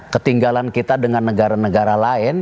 ketinggalan kita dengan negara negara lain